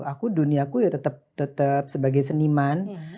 aku duniaku ya tetep tetep sebagai seniman